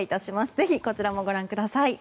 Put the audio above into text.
ぜひ、こちらもご覧ください。